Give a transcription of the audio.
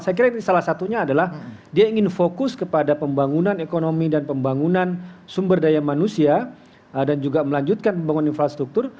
saya kira salah satunya adalah dia ingin fokus kepada pembangunan ekonomi dan pembangunan sumber daya manusia dan juga melanjutkan pembangunan infrastruktur